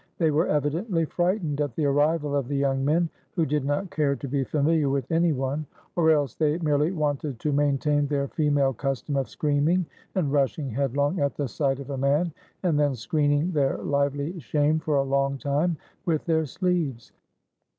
They were evidently frightened at the arrival of the young men, who did not care to be familiar with any one; or else they merely wanted to maintain their fe male custom of screaming, and rushing headlong at the sight of a man, and then screening their lively shame for a long time with their sleeves.